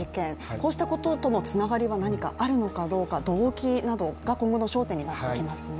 こうしたこととのつながりは何かあるのかどうか、動機が今後の焦点になってきますね。